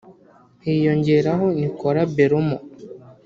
Hiyongeraho Nicola Bellomo